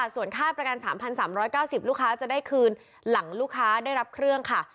ส่วนค่าประกัน๓๓๙๐ลูกค้าจะได้คืนหลังลูกค้าได้รับเครื่องค่ะ